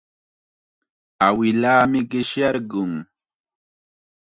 Awilaami qishyarqun.